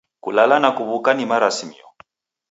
Kulala na kuw'uka ni marasimio